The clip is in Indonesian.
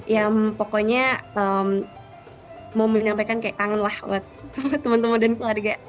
yang pokoknya mau menyampaikan kayak kangen lah buat sama teman teman dan keluarga